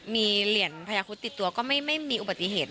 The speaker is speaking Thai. มีเหรียญพญาคุดติดตัวก็ไม่มีอุบัติเหตุ